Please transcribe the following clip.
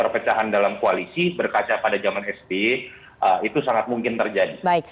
pada jaman sp itu sangat mungkin terjadi